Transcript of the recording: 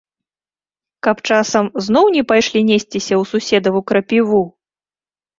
Каб часам зноў не пайшлі несціся ў суседаву крапіву!